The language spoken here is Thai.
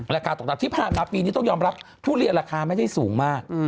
ราคาตกต่ำที่ผ่านมาปีนี้ต้องยอมรับทุเรียนราคาไม่ได้สูงมาก